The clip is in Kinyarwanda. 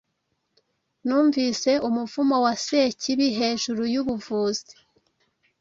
Numvise umuvumo wa Sekibi hejuru yubuvuzi